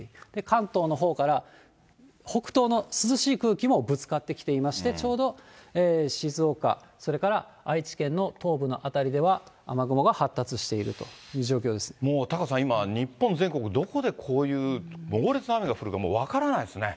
関東のほうから北東の涼しい空気もぶつかってきていまして、ちょうど静岡、それから愛知県の東部の辺りでは、雨雲が発達しているという状況でもうタカさん、今、日本全国どこでこういう猛烈な雨が降るかもう分からないですね。